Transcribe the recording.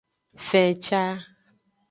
Fenca.